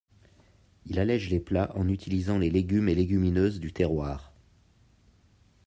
Il allège les plats en utilisant les légumes et légumineuses du terroir.